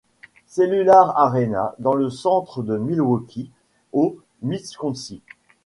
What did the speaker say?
Cellular Arena dans le centre de Milwaukee, au Wisconsin.